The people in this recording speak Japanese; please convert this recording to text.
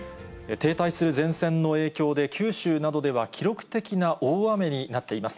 停滞する前線の影響で、九州などでは記録的な大雨になっています。